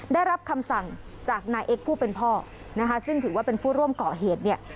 ได้รับคำสั่งจากนายเอ็กซ์ผู้เป็นพ่อนะคะซึ่งถือว่าเป็นผู้ร่วมก่อเหตุเนี่ย